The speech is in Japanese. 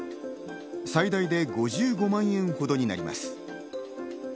最大で５５万円ほどになります。